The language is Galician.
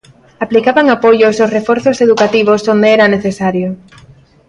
Aplicaban apoios aos reforzos educativos onde era necesario.